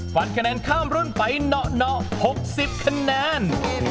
ฟันคะแนนข้ามรุ่นไปเหนาะ๖๐คะแนน